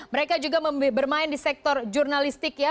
mereka juga bermain di sektor jurnalistik ya